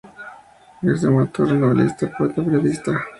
Es dramaturgo, novelista, poeta, periodista.